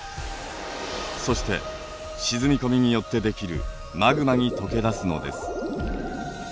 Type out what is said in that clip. そして沈み込みによってできるマグマに溶け出すのです。